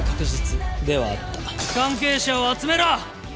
関係者を集めろ！